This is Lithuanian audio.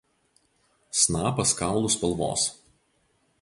Snapas kaulų spalvos.